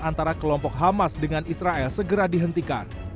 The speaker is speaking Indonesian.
antara kelompok hamas dengan israel segera dihentikan